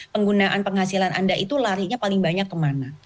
penggunaan penghasilan anda itu larinya paling banyak ke mana